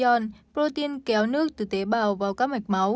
gion protein kéo nước từ tế bào vào các mạch máu